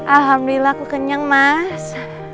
alhamdulillah aku kenyang mas